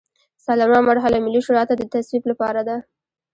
څلورمه مرحله ملي شورا ته د تصویب لپاره ده.